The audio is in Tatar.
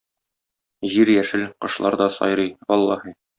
Җир яшел; кошлар да сайрый, валлаһи!